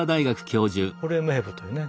ホルエムヘブというね